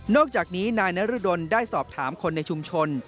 อกจากนี้นายนรดลได้สอบถามคนในชุมชน